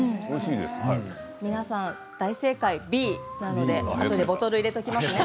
皆さん大正解なのであとでボトルを入れときますね。